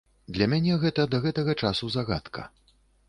Для мяне гэта да гэтага часу загадка.